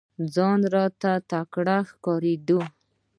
ځان راته تکړه ښکارېدی !